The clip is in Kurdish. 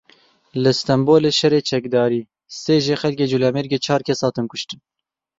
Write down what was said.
Li Stenbolê şerê çekdarî sê jê xelkê Colemêrgê çar kes hatin kuştin.